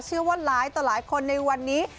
เชื่อว่าหลายต่อหลายคนในวันนี้